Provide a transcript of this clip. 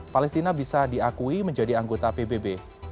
palestina bisa diakui menjadi anggota pbb